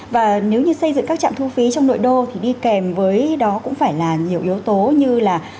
và nếu như xây dựng các trạm thu phí trong nội đô thì đi kèm với đó cũng phải là nhiều yếu tố như là